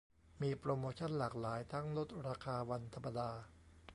มีโปรโมชั่นหลากหลายทั้งลดราคาวันธรรมดา